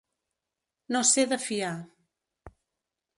No ser de fiar.